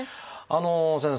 先生。